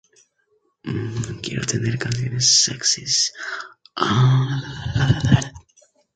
Quiero tener canciones sexys.